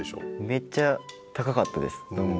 めっちゃ高かったです。